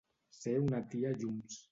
Ser una tia llums.